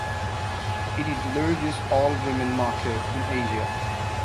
It is the largest all–women market in Asia.